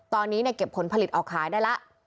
ตอนนี้เนี่ยเก็บผลผลิตออกขายได้ละ